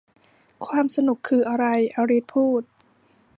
'ความสนุกคืออะไร ?' อลิซพูด